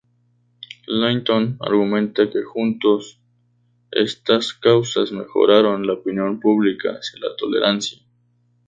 Linton argumenta que juntos, estas causas mejoraron la opinión pública hacia la tolerancia.